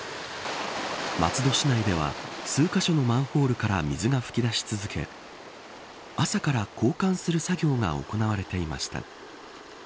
松戸市内では数カ所のマンホールから水が噴き出し続け朝から交換する作業が行われていました。